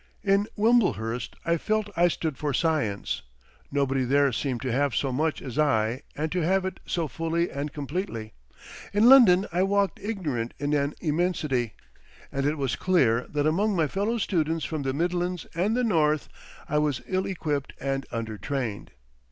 In Wimblehurst I felt I stood for Science; nobody there seemed to have so much as I and to have it so fully and completely. In London I walked ignorant in an immensity, and it was clear that among my fellow students from the midlands and the north I was ill equipped and under trained.